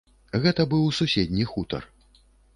Гэта быў суседні хутар.